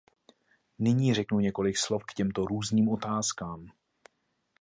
Nyní řeknu několik slov k těmto různým otázkám.